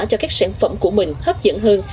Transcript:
cho các sản phẩm của mình hấp dẫn hơn